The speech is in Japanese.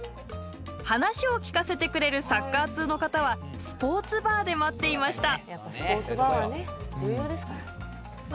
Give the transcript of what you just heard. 話を聞かせてくれるサッカー通の方はスポーツバーで待っていました。